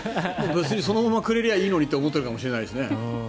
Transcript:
別にそのままくれりゃいいのにと思っているかもしれないしね。